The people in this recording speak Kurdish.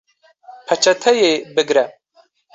Peçeteyê bigre